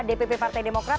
dpp partai demokrat